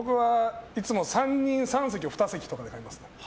僕はいつも３席を２席とかで買いますね。